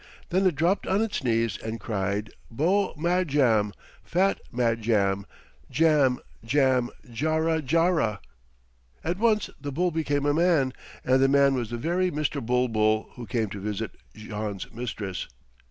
Then it dropped on its knees and cried, "Beau Madjam, fat Madjam, djam, djam, djara, djara!" At once the bull became a man, and the man was the very Mr. Bulbul who came to visit Jean's mistress.